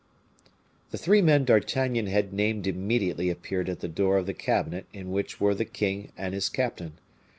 The three men D'Artagnan had named immediately appeared at the door of the cabinet in which were the king and his captain.